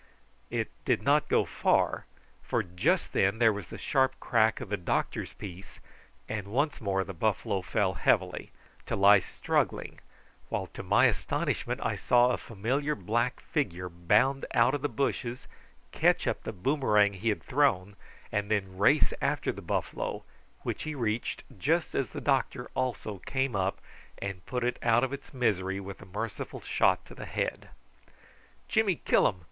It did not go far, for just then there was the sharp crack of the doctor's piece, and once more the buffalo fell heavily, to lie struggling, while, to my astonishment I saw a familiar black figure bound out of the bushes, catch up the boomerang he had thrown, and then race after the buffalo, which he reached just as the doctor also came up and put it out of its misery by a merciful shot in the head. "Jimmy killum!